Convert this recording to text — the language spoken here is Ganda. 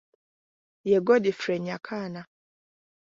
Ye Godfrey Nyakana.